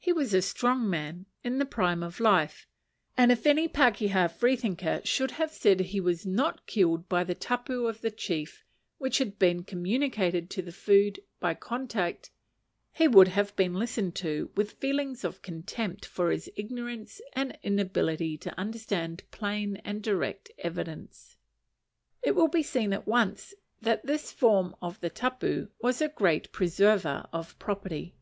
He was a strong man, in the prime of life; and if any pakeha free thinker should have said he was not killed by the tapu of the chief, which had been communicated to the food by contact, he would have been listened to with feelings of contempt for his ignorance and inability to understand plain and direct evidence. It will be seen at once that this form of the tapu was a great preserver of property.